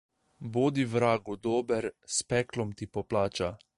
Bodi vragu dober, s peklom ti poplača.